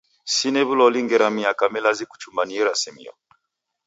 Sine w'uloli ngera miaka milazi kuchumba ni irasimio.